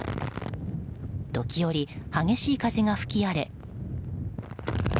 時折、激しい風が吹き荒れ。